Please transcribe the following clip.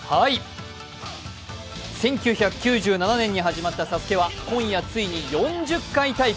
１９９７年に始まった「ＳＡＳＵＫＥ」は今夜ついに４０回大会。